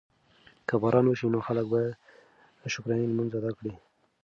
که باران وشي نو خلک به د شکرانې لمونځ ادا کړي.